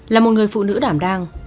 là một người phụ nữ đảm đang